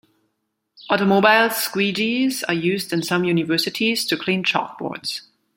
Automobile squeegees are used in some universities to clean chalkboards.